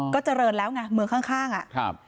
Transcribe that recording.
ก็เจริญแล้วไงเมืองข้างอ่ะครับ